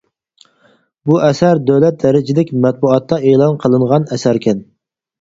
بۇ ئەسەر دۆلەت دەرىجىلىك مەتبۇئاتتا ئېلان قىلىنغان ئەسەركەن.